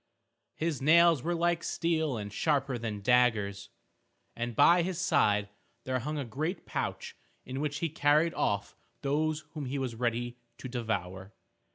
His nails were like steel and sharper than daggers, and by his side there hung a great pouch in which he carried off those whom he was ready to devour.